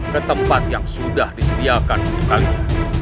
ke tempat yang sudah disediakan untuk kalian